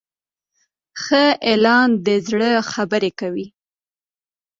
ښه اعلان د زړه خبرې کوي.